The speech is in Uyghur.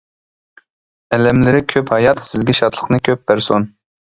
ئەلەملىرى كۆپ ھايات سىزگە شادلىقنى كۆپ بەرسۇن.